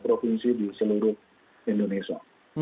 provinsi di seluruh indonesia